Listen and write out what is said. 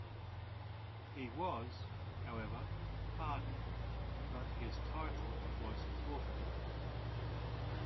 He was, however, pardoned, but his title was forfeited.